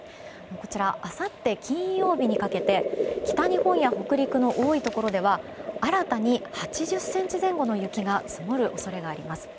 あさって金曜日にかけて北日本や北陸の多いところでは新たに８０ｃｍ前後の雪が積もる恐れがあります。